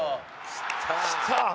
きた！